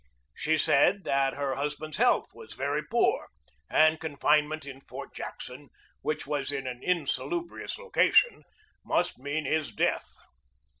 She said that her husband's health was very poor, and confinement in Fort Jackson, which was in an insalubrious loca tion, must mean his death.